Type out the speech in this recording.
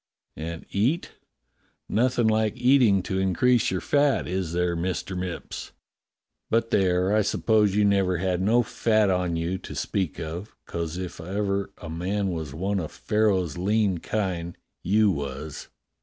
i.\nd eat; nothing like eating to increase your fat, is there. Mister Mipps? But, there, I suppose you never had no fat on you to speak of, 'cos if ever a man was one of Pharaoh's lean kine, you was."